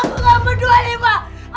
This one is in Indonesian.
aku gak berdoa ini pak